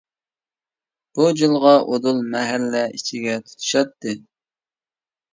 بۇ جىلغا ئۇدۇل مەھەللە ئىچىگە تۇتىشاتتى.